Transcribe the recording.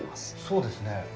そうですね。